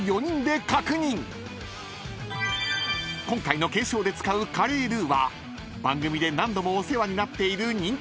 ［今回の検証で使うカレールーは番組で何度もお世話になっている］